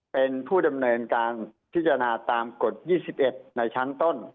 เป็นผู้ดำเนินการพิจารณาตามกฎ๒๑ในชั้นต้น